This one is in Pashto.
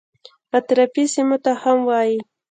اطرافي سیمو ته هم وایي.